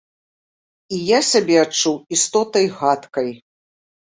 І я сябе адчуў істотай гадкай.